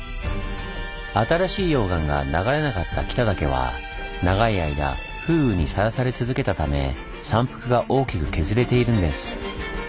新しい溶岩が流れなかった北岳は長い間風雨にさらされ続けたため山腹が大きく削れているんです。